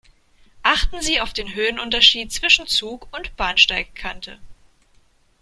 Achten Sie auf den Höhenunterschied zwischen Zug und Bahnsteigkante.